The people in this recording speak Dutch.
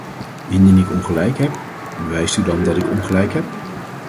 Indien ik ongelijk heb, bewijst u dan dat ik ongelijk heb.